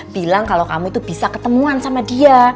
bilang kalau kamu itu bisa ketemuan sama dia